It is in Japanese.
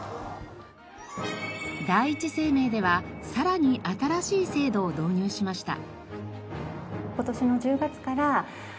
第一生命ではさらに新しい制度を導入しました。